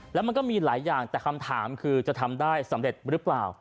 แล้วมันก็มีหลายอย่างแต่คำถามคือจะทำได้สำเร็จหรือเปล่า